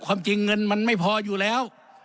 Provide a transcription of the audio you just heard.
ความจริงเงินมันไม่พออยู่แล้ว